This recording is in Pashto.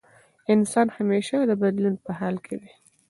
انسان همېشه د بدلون په حال کې دی.